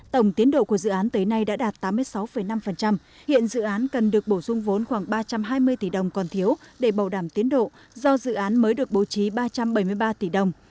tổng tiến độ của dự án tới nay đã đạt tám mươi sáu năm hiện dự án cần được bổ sung vốn khoảng ba trăm hai mươi tỷ đồng còn thiếu để bảo đảm tiến độ do dự án mới được bố trí ba trăm bảy mươi ba tỷ đồng